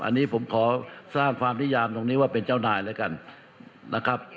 อันนี้ผมขอสร้างความนิยามตรงนี้ว่าเป็นเจ้านายแล้วกันนะครับ